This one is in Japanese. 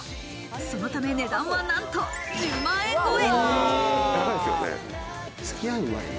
そのため、値段はなんと１０万円超え。